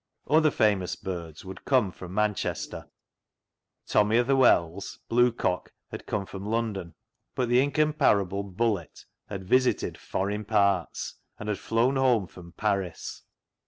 Other famous birds would come (fly) from Manchester ; Tommy o' th' Well's " Blue cock " had come from London ; but the incomparable " Bullet " had visited " forrin parts," and had flown home from Paris.